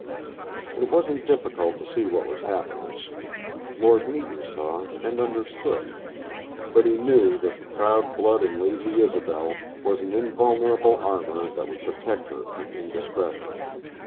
It wasn't difficult to see what was happening. Lord Meton saw, and understood; but he knew that the proud blood in Lady Isobel was an invulnerable armor that would protect her from indiscretion.